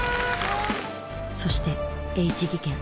そしてＨ技研。